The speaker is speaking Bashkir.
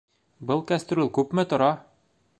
Был кәстрүл күпме тора?